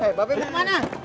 eh bapak mau kemana